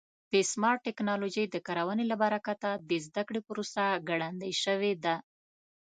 د سمارټ ټکنالوژۍ د کارونې له برکته د زده کړې پروسه ګړندۍ شوې ده.